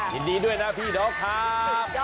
เย้ยินดีด้วยค่ะยินดีด้วยนะพี่นกค่ะ